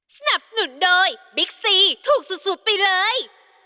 สนับสนุนโดยบิ๊กซีถูกสุดไปเลย